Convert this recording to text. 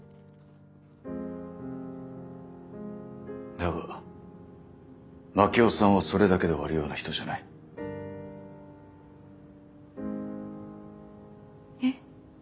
だが真樹夫さんはそれだけで終わるような人じゃない。えっ？